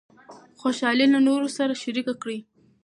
خوشحالي له نورو سره شریکه کړئ.